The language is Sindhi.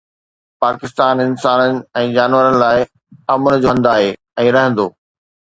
پاڪستان انسانن ۽ جانورن لاءِ امن جو هنڌ آهي ۽ رهندو